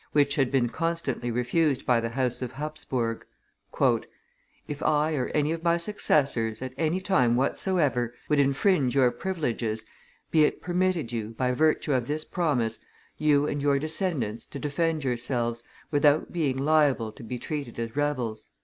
which had been constantly refused by the house of Hapsburg: "If I, or any of my successors, at any time whatsoever, would infringe your privileges, be it permitted you, by virtue of this promise, you and your descendants, to defend yourselves, without being liable to be treated as rebels."